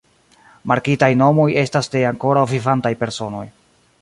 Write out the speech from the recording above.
Markitaj nomoj estas de ankoraŭ vivantaj personoj.